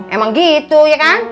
emang gitu ya kan